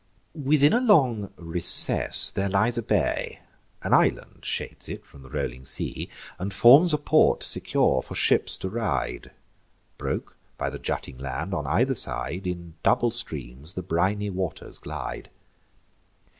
Within a long recess there lies a bay: An island shades it from the rolling sea, And forms a port secure for ships to ride; Broke by the jutting land, on either side, In double streams the briny waters glide.